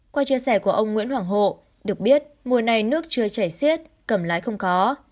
qua chia sẻ của ông nguyễn hoàng hộ được biết mùa này nước chưa chảy xiết cầm lái không có